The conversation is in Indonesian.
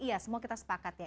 iya semua kita sepakat ya